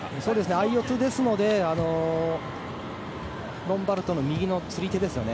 相四つですのでロンバルドの右の釣り手ですね。